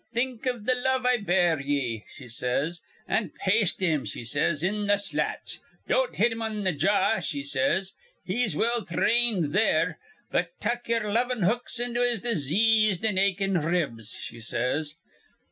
'Think iv th' love I bear ye,' she says, 'an' paste him,' she says, 'in th' slats. Don't hit him on th' jaw,' she says. 'He's well thrained there. But tuck ye'er lovin' hooks into his diseased an' achin' ribs,' she says.